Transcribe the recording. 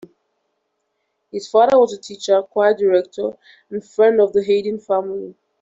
His father was a teacher, choir director and friend of the Haydn family.